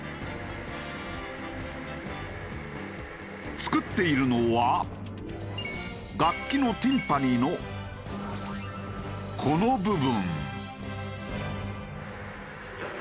作っているのは楽器のティンパニのこの部分。